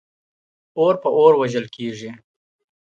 ¬ اور په اور وژل کېږي.